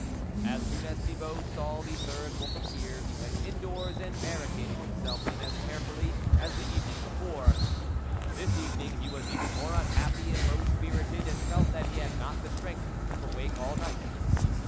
As soon as Thibault saw the third wolf appear, he went indoors and barricaded himself in as carefully as the evening before ; but this evening he was even more unhappy and low spirited, and felt that he had not the strength to keep awake all night.